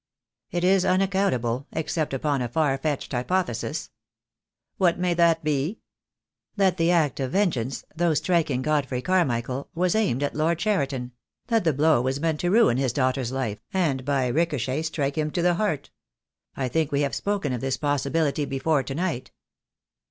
"It is unaccountable, except upon a far fetched hypothesis." "What may that be?" "That the act of vengeance — though striking Godfrey Carmichael — was aimed at Lord Cheriton — that the blow was meant to ruin his daughter's life, and by ricochet strike him to the heart. I think we have spoken of this possibility before to night."